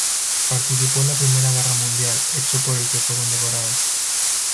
Participó en la Primera Guerra Mundial, hecho por el que fue condecorado.